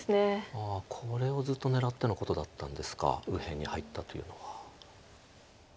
ああこれをずっと狙ってのことだったんですか右辺に入ったというのは。